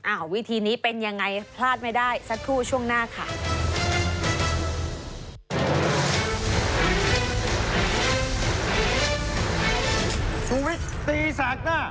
วิธีนี้เป็นยังไงพลาดไม่ได้สักครู่ช่วงหน้าค่ะ